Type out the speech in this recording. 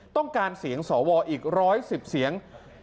ต้องการเสียงสวอีก๑๑๐เสียง